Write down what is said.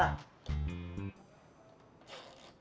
paling dia ga bolong ya daftar